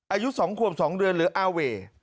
อายุ๒ขวบ๒เดือนหรืออาเว่